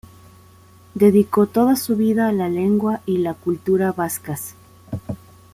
Dedicó toda su vida a la lengua y la cultura vascas.